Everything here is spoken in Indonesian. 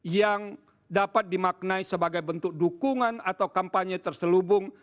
yang dapat dimaknai sebagai bentuk dukungan atau kampanye terselubung